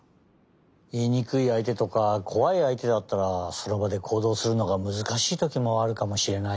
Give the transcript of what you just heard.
いいにくいあいてとかこわいあいてだったらそのばでこうどうするのがむずかしいときもあるかもしれないよね。